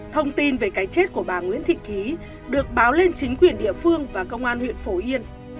thông tin về cái chết của bà nguyễn thị ký được báo lên chính quyền địa phương và công an huyện phổ yên